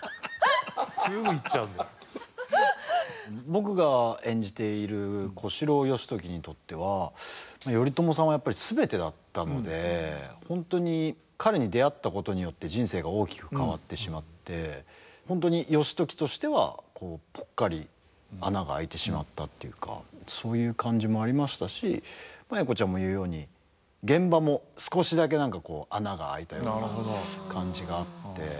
僕が演じている小四郎義時にとっては頼朝さんはやっぱり全てだったので本当に彼に出会ったことによって人生が大きく変わってしまって本当に義時としてはぽっかり穴があいてしまったっていうかそういう感じもありましたし栄子ちゃんも言うように現場も少しだけ何かこう穴があいたような感じがあって。